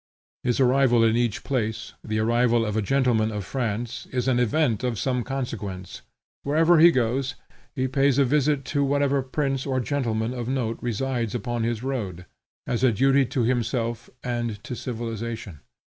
His arrival in each place, the arrival of a gentleman of France, is an event of some consequence. Wherever he goes he pays a visit to whatever prince or gentleman of note resides upon his road, as a duty to himself and to civilization.